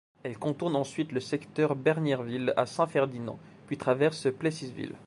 Elle contourne ensuite le secteur Bernierville à Saint-Ferdinand, puis traverse Plessisville.